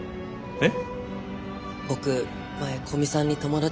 えっ。